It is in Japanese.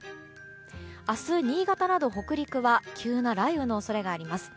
明日、新潟など北陸は急な雷雨の恐れがあります。